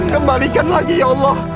kembalikan lagi ya allah